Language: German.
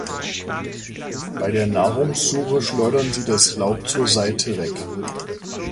Bei der Nahrungssuche schleudern sie das Laub zur Seite weg.